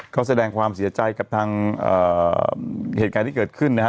เขาแสดงความเสียใจกับทางเหตุการณ์ที่เกิดขึ้นนะฮะ